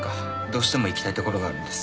どうしても行きたい所があるんです